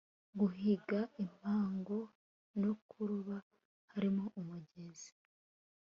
Guhiga impongo no kuroba Hariho umugezi